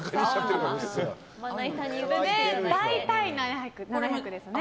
大体、これで７００ですね。